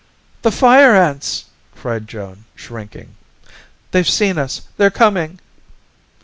"The Fire Ants!" cried Joan, shrinking. "They've seen us! They're coming!"